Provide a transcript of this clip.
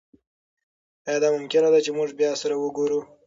ایا دا ممکنه ده چې موږ بیا سره وګورو؟